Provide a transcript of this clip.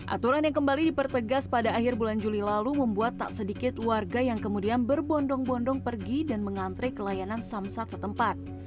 aturan yang kembali dipertegas pada akhir bulan juli lalu membuat tak sedikit warga yang kemudian berbondong bondong pergi dan mengantre ke layanan samsat setempat